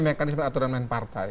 mekanisme aturan main partai